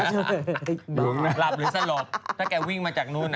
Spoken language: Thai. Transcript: หลับหรือสลบถ้าแกวิ่งมาจากนู้น